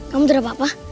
kamu tidak apa apa